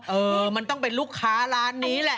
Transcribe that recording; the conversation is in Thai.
เออมันต้องเป็นลูกค้าร้านนี้แหละ